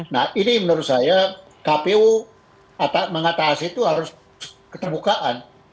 nah ini menurut saya kpu mengatasi itu harus keterbukaan